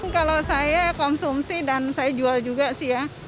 kalau saya konsumsi dan saya jual juga sih ya